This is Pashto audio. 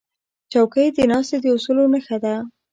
چوکۍ د ناستې د اصولو نښه ده.